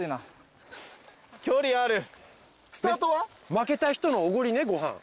負けた人のおごりねご飯。